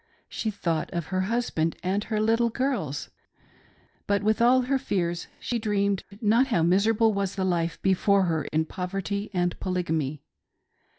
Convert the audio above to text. She thought of her husband and her little girls. But with all her fears she dreamed not how miserable was the life before her in poverty and Polygamy.